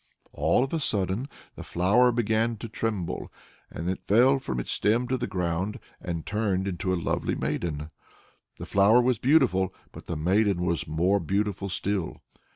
All of a sudden the flower began to tremble, then it fell from its stem to the ground, and turned into a lovely maiden. The flower was beautiful, but the maiden was more beautiful still.